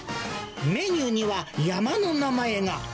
メニューには山の名前が。